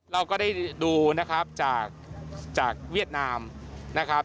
เราก็ได้ดูนะครับจากเวียดนามนะครับ